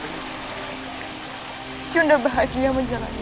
bunda bahagia menjalannya